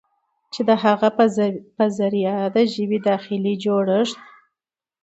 چې د هغه په ذريعه د ژبې داخلي جوړښت